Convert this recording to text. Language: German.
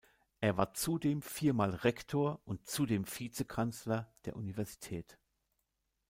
Er war zudem viermal Rektor und zudem Vizekanzler der Universität.